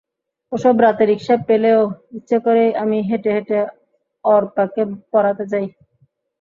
ওসব রাতে রিকশা পেলেও ইচ্ছে করেই আমি হেঁটে হেঁটে অর্পাকে পড়াতে যাই।